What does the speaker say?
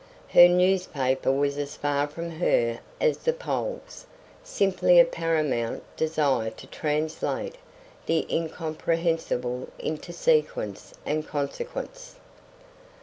Her newspaper was as far from her as the poles; simply a paramount desire to translate the incomprehensible into sequence and consequence.